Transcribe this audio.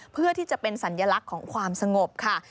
เพื่อที่จะเป็นสัญลักษณ์ของความสงบค่ะ